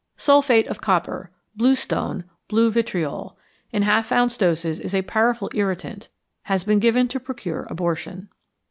=Sulphate of Copper= (bluestone, blue vitriol) in half ounce doses is a powerful irritant. Has been given to procure abortion.